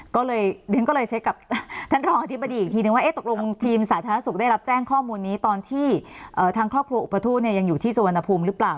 ก็เลยเรียนก็เลยเช็คกับท่านรองอธิบดีอีกทีนึงว่าตกลงทีมสาธารณสุขได้รับแจ้งข้อมูลนี้ตอนที่ทางครอบครัวอุปทูตยังอยู่ที่สุวรรณภูมิหรือเปล่า